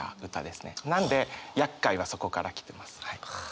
なんで「厄介」はそこから来てます。